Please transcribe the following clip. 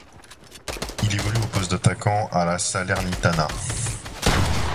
Il évolue au poste d'attaquant à la Salernitana.